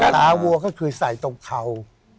วัวก็คือใส่ตรงเข่า